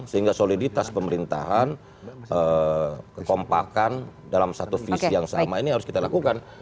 sehingga soliditas pemerintahan kekompakan dalam satu visi yang sama ini harus kita lakukan